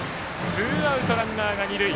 ツーアウト、ランナーが二塁。